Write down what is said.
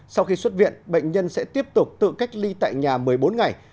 sau khi xuất viện bệnh nhân sẽ tiếp tục tự cách ly tại nhà một mươi bốn ngày